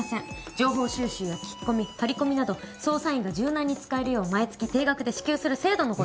情報収集や聞き込み張り込みなど捜査員が柔軟に使えるよう毎月定額で支給する制度のことです。